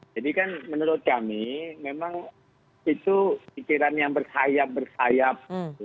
jadi kan menurut kami memang itu pikiran yang bersayap bersayap